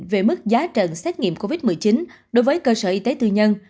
về mức giá trận xét nghiệm covid một mươi chín đối với cơ sở y tế tư nhân